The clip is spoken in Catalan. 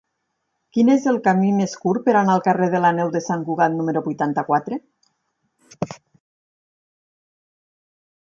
Quin és el camí més curt per anar al carrer de la Neu de Sant Cugat número vuitanta-quatre?